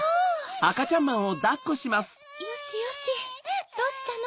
よしよしどうしたの？